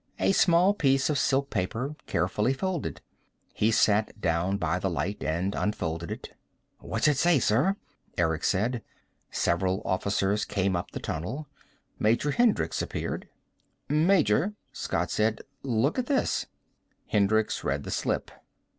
A small piece of silk paper, carefully folded. He sat down by the light and unfolded it. "What's it say, sir?" Eric said. Several officers came up the tunnel. Major Hendricks appeared. "Major," Scott said. "Look at this." Hendricks read the slip.